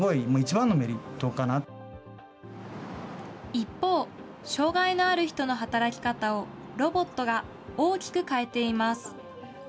一方、障害のある人の働き方を、ロボットが大きく変えています。